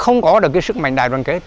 không có được sức mạnh đại đoàn kết